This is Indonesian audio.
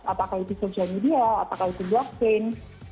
apakah itu social media apakah itu blockchain